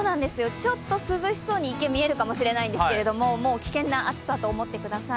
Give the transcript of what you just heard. ちょっと涼しそうに一見見えるかもしれないんですけど、危険な暑さと思ってください。